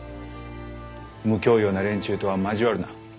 無教養な連中とは交わるな。